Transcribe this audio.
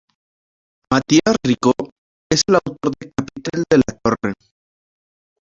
Matías Rico, es el autor del chapitel de la torre.